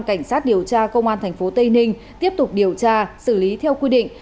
cảnh sát điều tra công an tp tây ninh tiếp tục điều tra xử lý theo quy định